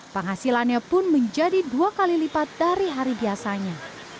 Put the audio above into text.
penghasilannya pun menjadi dua kali lipat dari hari biasanya